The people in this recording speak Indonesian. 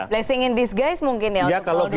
blessing in disguise mungkin ya